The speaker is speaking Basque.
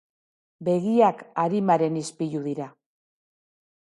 Begiak arimaren ispilu dira.